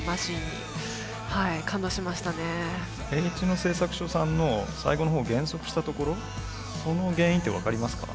Ｈ野製作所さんの最後のほう減速したところその原因って分かりますか？